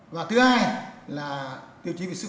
và thứ hai là tiêu chí về sức khỏe